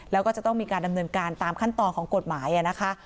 แล้วก็จะต้องมีการดำเนินการตามขั้นตอนของกฎหมายนะคะ